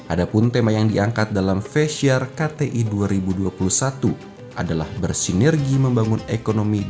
ada pun tema yang diangkat dalam festiar kti dua ribu dua puluh satu adalah bersinergi membangun ekonomi